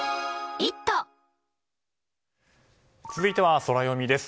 続いてはソラよみです。